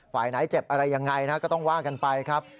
ฝ่ายไหนเจ็บอะไรยังไงนะก็ต้องว่ากันไปครับ